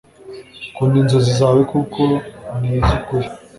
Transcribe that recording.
Kunda inzozi zawe kuko ni iz’ukuri